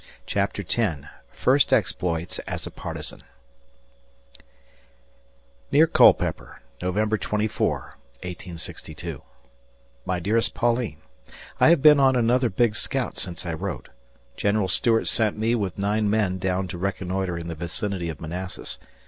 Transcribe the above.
] CHAPTER X FIRST EXPLOITS AS A PARTISAN Near Culpeper, November 14, '62. My dearest Pauline: I have been on another big scout since I wrote. General Stuart sent me with nine men down to reconnoitre in the vicinity of Manassas.